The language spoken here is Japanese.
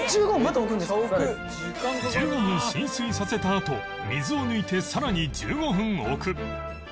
１５分浸水させたあと水を抜いてさらに１５分置く